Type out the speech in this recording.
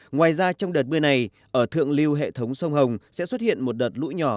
ngoài ra trong đợt mưa này ở thượng lưu hệ thống sông hồng sẽ xuất hiện một đợt lũ nhỏ